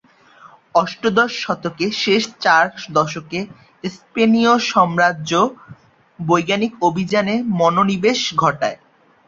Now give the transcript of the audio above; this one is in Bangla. অষ্টাদশ শতকের শেষ চার দশকে স্পেনীয় সাম্রাজ্য বৈজ্ঞানিক অভিযানে মনোনিবেশ ঘটায়।